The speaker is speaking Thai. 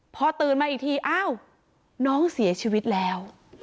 พอตื่นมาอีกทีอ้าวน้องเสียชีวิตแล้ว